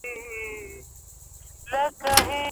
پاچا له سړي وپوښتل چې دا ظلم دې ولې کړی دی؟